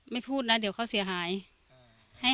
มันน่าจะปกติบ้านเรามีก้านมะยมไหม